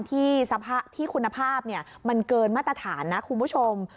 ที่คุณภาพมันเกินมาตรฐานนะคุณผู้ชม